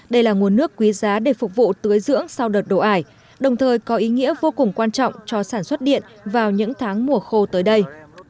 đây là nguồn nước quý giá để phục vụ tưới dưỡng sau đợt đổ ải đồng thời có ý nghĩa vô cùng quan trọng cho sản xuất điện vào những tháng mùa khô tới đây